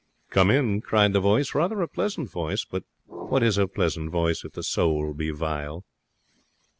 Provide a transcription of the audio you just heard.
'Come in!' cried the voice, rather a pleasant voice; but what is a pleasant voice if the soul be vile?